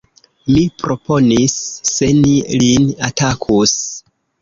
mi proponis: se ni lin atakus!